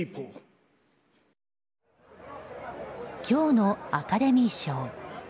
今日のアカデミー賞。